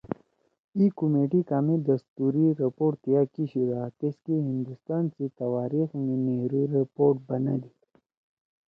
اِی کمیٹی کامے دستوری رپورٹ تِیا کیِشُودا تیسکے ہندُوستان سی تواریخ می نہرو رپورٹ بنَدی